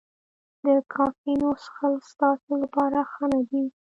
د کافینو څښل ستاسو لپاره ښه نه دي.